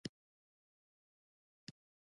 د اسلام پيغمبر ص وفرمايل خپل ځان خوار کړي.